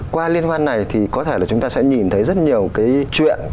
qua liên hoan này thì có thể là chúng ta sẽ nhìn thấy rất nhiều cái chuyện